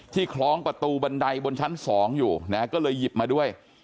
คล้องประตูบันไดบนชั้น๒อยู่นะก็เลยหยิบมาด้วย